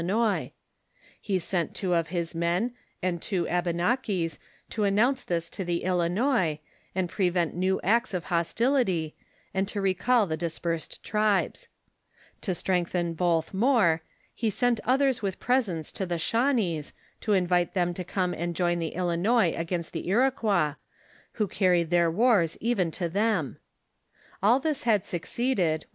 168 m ture, Na bad and part , two of the th the those he in is and join the Hinois ; he sent two of his men and two Abenaquis to announce this to the Ilinois, and prevent new acts of hos tility, and to recall the dispersed tribes. To strengthen both more, he sent others with presents to the Shawnees to invite them to come and join the Ilinois against the Iroquois, who carried their wars even to them. All this had succeeded when M.